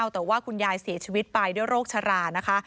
แต่ว่าคุณยายเสียชีวิตไปด้วยโรคชรานะคะ